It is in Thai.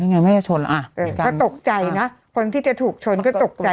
นี่ไงไม่ชนอ่ะเออก็ตกใจน่ะคนที่จะถูกชนก็ตกใจ